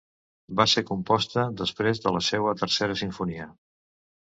Va ser composta després de la seua tercera simfonia.